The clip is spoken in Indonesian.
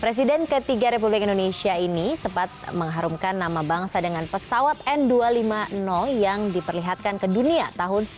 presiden ketiga republik indonesia ini sempat mengharumkan nama bangsa dengan pesawat n dua ratus lima puluh yang diperlihatkan ke dunia tahun seribu sembilan ratus sembilan puluh